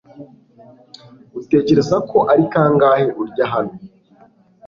utekereza ko ari kangahe urya hano